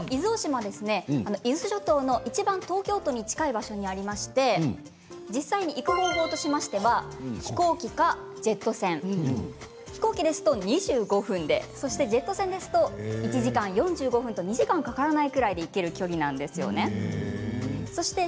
伊豆諸島のいちばん東京都に近い場所にありまして飛行機かジェット船飛行機ですと２５分でジェット船は１時間４５分２時間かからないくらいで行ける距離なんですよね。